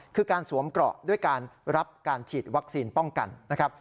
คือการสวมเกราะด้วยการรับการฉีดวัคซีนป้องกันนะครับ